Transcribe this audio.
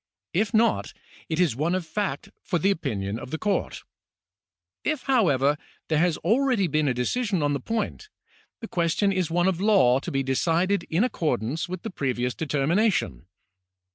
If not, it is one of fact for the opinion of the court. If, however, there has already been a decision on the point, the question is one of law to be decided in accordance with the previous determination.